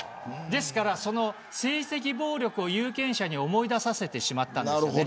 ですから、その政治的暴力を有権者に思い出させてしまった。